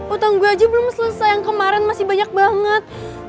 utang gue aja belum selesai yang kemarin masih banyak banget